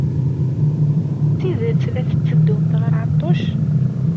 D tidet la tetteddumt ɣer Ɛeṭṭuc?